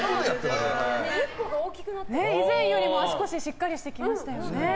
以前よりも足腰がしっかりしてきましたよね。